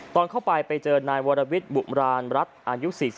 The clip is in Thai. ตอนเข้าไปไปเจอนายวรวิทย์บุราณรัฐอายุ๔๒